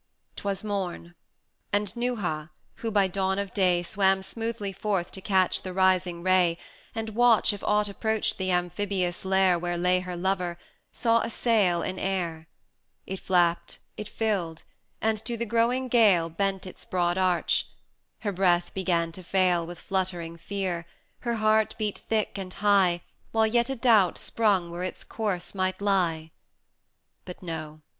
XIV. 'Twas morn; and Neuha, who by dawn of day Swam smoothly forth to catch the rising ray, And watch if aught approached the amphibious lair Where lay her lover, saw a sail in air: It flapped, it filled, and to the growing gale Bent its broad arch: her breath began to fail With fluttering fear, her heart beat thick and high, While yet a doubt sprung where its course might lie. 380 But no!